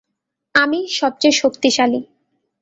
আমিই সবচেয়ে শক্তিশালী।